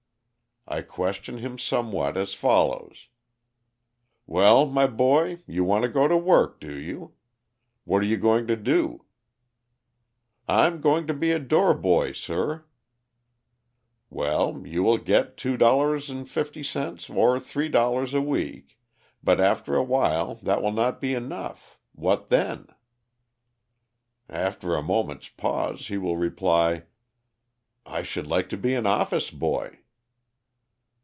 I question him somewhat as follows: 'Well, my boy, you want to go to work, do you? What are you going to do?' 'I am going to be a door boy, sir.' 'Well, you will get $2.50 or $3 a week, but after a while that will not be enough; what then?' After a moment's pause he will reply: 'I should like to be an office boy.'